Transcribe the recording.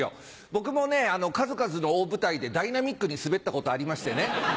僕もね数々の大舞台でダイナミックにスベったことありましてね。